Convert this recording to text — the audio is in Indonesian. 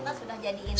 nah pas sudah jadi ini